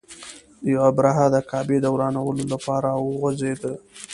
ابرهه د کعبې د ورانولو لپاره را وخوځېد.